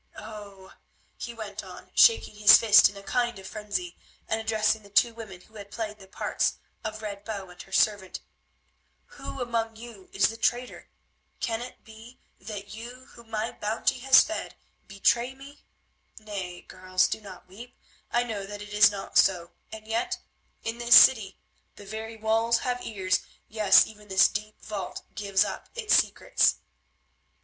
Oh!" he went on, shaking his fist in a kind of frenzy, and addressing the two women who had played the parts of Red Bow and her servant, "who among you is the traitor? Can it be that you, whom my bounty has fed, betray me? Nay, girls, do not weep, I know that it is not so, and yet, in this city, the very walls have ears, yes, even this deep vault gives up its secrets.